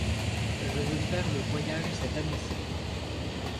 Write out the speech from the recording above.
Je veux faire le voyage cette année-ci.